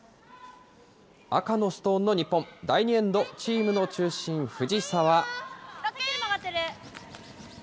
赤のストーンの日本、第２エンド、チームの中心、藤澤。